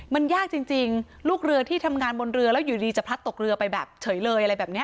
มันยากจริงลูกเรือที่ทำงานบนเรือแล้วอยู่ดีจะพลัดตกเรือไปแบบเฉยเลยอะไรแบบนี้